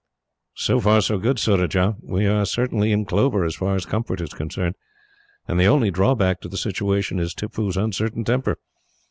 "So far, so good, Surajah. We are certainly in clover, as far as comfort is concerned, and the only drawback to the situation is Tippoo's uncertain temper.